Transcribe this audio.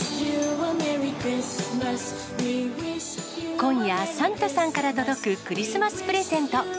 今夜、サンタさんから届くクリスマスプレゼント。